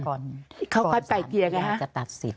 ก่อนสรรจะตัดสิน